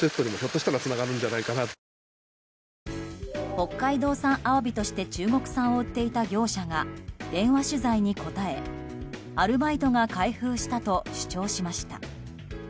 北海道産アワビとして中国産を売っていた業者が電話取材に答えアルバイトが開封したと主張しました。